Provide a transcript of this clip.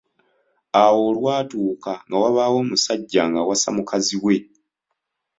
Awo olwatuuka nga wabaawo omusajja ng’awasa mukazi we.